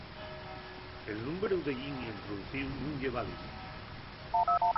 El númberu de llinia introducíu nun ye válidu.